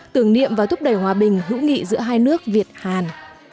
tưởng niệm và thúc đẩy hòa bình hữu nghị giữa hai nước việt hàn